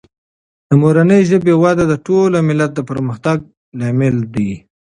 د مورنۍ ژبې وده د ټول ملت د پرمختګ لامل دی.